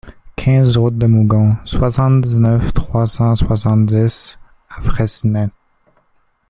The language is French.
quinze route de Mougon, soixante-dix-neuf, trois cent soixante-dix à Fressines